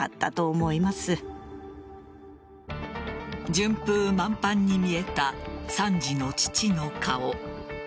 順風満帆に見えた３児の父の顔。